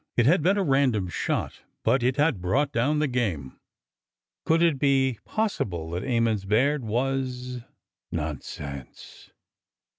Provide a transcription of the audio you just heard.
It had been a random shot but it had brought down the game. ... Could it po? sible that Emmons Baird was— Nonsense